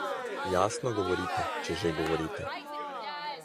Jasno govorite, če že govorite.